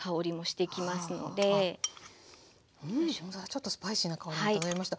ちょっとスパイシーな香りが漂いました。